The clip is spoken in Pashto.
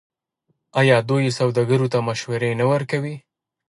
آیا دوی سوداګرو ته مشورې نه ورکوي؟